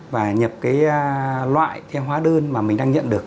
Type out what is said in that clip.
và nhập cái loại cái hóa đơn mà mình đang nhận được